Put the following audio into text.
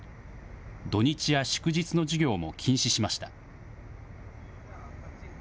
土日や祝日の授業も禁止しました。